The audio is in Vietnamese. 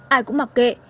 ai cũng mặc kệ